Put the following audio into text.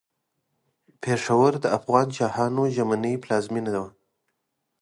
پېښور د افغان شاهانو ژمنۍ پلازمېنه وه.